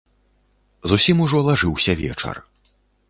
Зусім ужо лажыўся вечар.